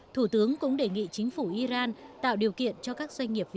thủ tướng cũng đề nghị chính phủ iran tạo điều kiện cho các doanh nghiệp việt